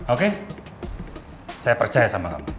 oke saya percaya sama kamu